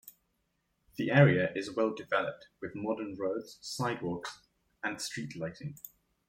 The area is well developed with modern roads, sidewalks and street lighting.